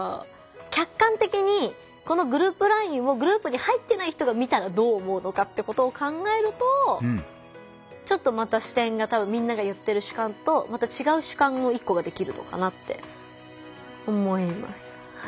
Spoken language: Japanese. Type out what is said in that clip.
客観的にこのグループＬＩＮＥをグループに入ってない人が見たらどう思うのかってことを考えるとちょっとまた視点がみんなが言ってる主観とまた違う主観の一個ができるのかなって思います。